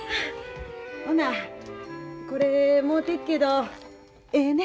ほなこれもうてくけどええね？